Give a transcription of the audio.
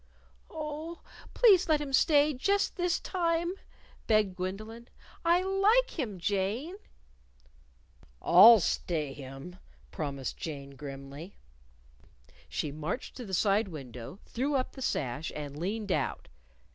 "Oh, please let him stay just this time!" begged Gwendolyn; "I like him, Jane!" "I'll stay him!" promised Jane, grimly. She marched to the side window, threw up the sash and leaned out.